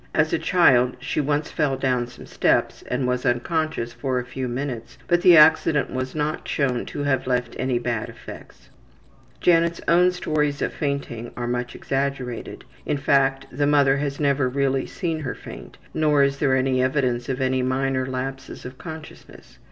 As a child she once fell down some steps and was unconscious for a few minutes, but the accident was not known to have left any bad effects. Janet's own stories of fainting are much exaggerated. In fact, the mother has never really seen her faint, nor is there any evidence of any minor lapses of consciousness.